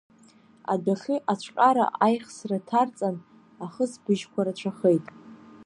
Адәахьы ацәҟьара аихсра ҭарҵан, ахысбыжьқәа рацәахеит.